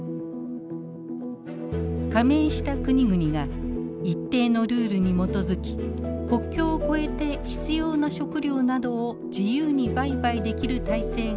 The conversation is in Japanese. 加盟した国々が一定のルールに基づき国境を超えて必要な食料などを自由に売買できる体制が構築されました。